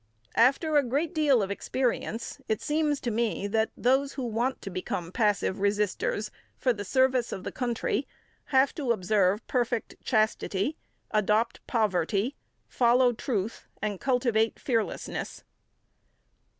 After a great deal of experience, it seems to me that those who want to become passive resisters for the service of the country have to observe perfect chastity, adopt poverty, follow truth, and cultivate fearlessness.